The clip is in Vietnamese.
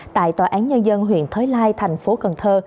tại tòa án nhân dân huyện thới lai thành phố cần thơ